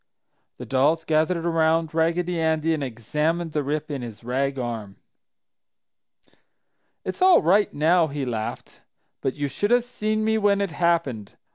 The dolls gathered around Raggedy Andy and examined the rip in his rag arm. "It's all right now!" he laughed. "But you should have seen me when it happened!